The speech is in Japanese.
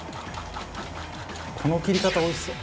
「この切り方おいしそう」